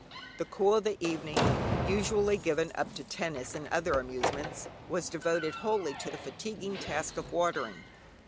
The cool of the evening, usually given up to tennis and other amusements, was devoted wholly to the fatiguing task of watering.